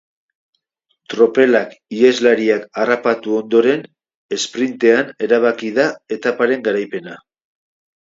Tropelak iheslariak harrapatu ondoren, esprintean erabaki da etapa garaipena.